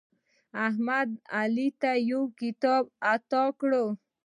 احمد نن علي ته یو کتاب اعطا کړ.